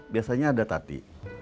biasanya ada tati